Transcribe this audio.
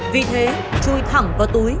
vì thế chui thẳng vào túi